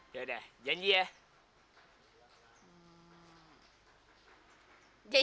yaudah janji ya